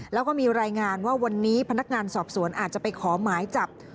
แล้วก็มีรายงานว่าวันนี้พนักงานสอบสวนอาจจะไปขอหมายจับ